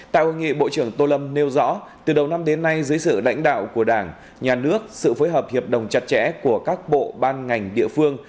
tại hội nghị bộ trưởng tô lâm nêu rõ từ đầu năm đến nay dưới sự lãnh đạo của đảng nhà nước sự phối hợp hiệp đồng chặt chẽ của các bộ ban ngành địa phương